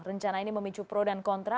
rencana ini memicu pro dan kontra